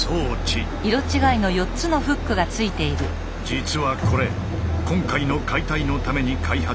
実はこれ今回の解体のために開発された「切り札」。